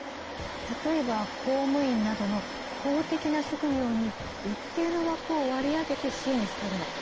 例えば公務員などの公的な職業に一定の枠を割り当てて支援しているの。